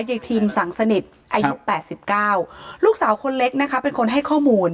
ทีมสังสนิทอายุ๘๙ลูกสาวคนเล็กนะคะเป็นคนให้ข้อมูล